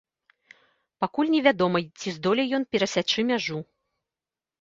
Пакуль невядома, ці здолее ён перасячы мяжу.